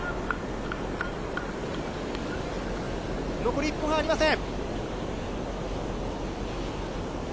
残り１分ありません。